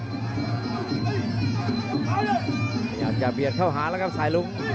พยายามจะเบียดเข้าหาแล้วครับสายลุ้ง